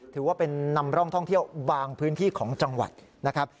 ถือว่าเป็นนำร่องท่องเที่ยวบางพื้นที่ของจังหวัดนะครับ